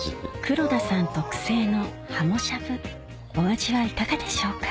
黒田さん特製のハモしゃぶお味はいかがでしょうか？